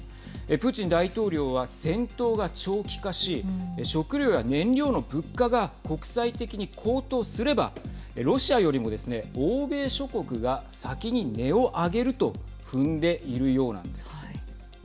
プーチン大統領は戦闘が長期化し食糧や燃料の物価が国際的に高騰すればロシアよりもですね、欧米諸国が先に音を上げると踏んでいるようなんです。